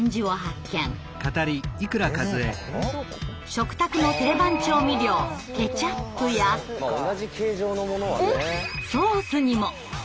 食卓の定番調味料「ケチャップ」や「ソース」にも！